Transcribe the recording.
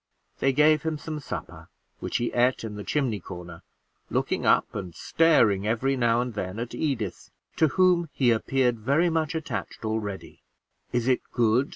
They gave him some supper, which he ate in the chimney corner, looking up and staring every now and then at Edith, to whom he appeared very much attached already. "Is it good?"